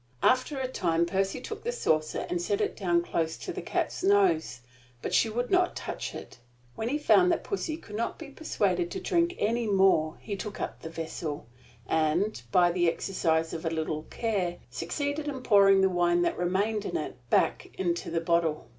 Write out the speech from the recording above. After a time Percy took the saucer and set it down close to the cat's nose, but she would not touch it. When he found that pussy could not be persuaded to drink any more he took up the vessel, and, by the exercise of a little care, succeeded in pouring the wine that remained in it back into the bottle.